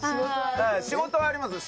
仕事はありますよ